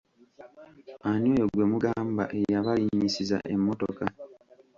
Ani oyo gwe mugamba eyabalinyisiza emmotoka?